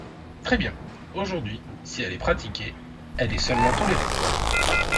Très bien ! Aujourd’hui, si elle est pratiquée, elle est seulement tolérée.